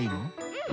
うん。